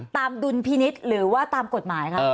ตามดุลพินิตหรือว่าตามกฎหมายครับ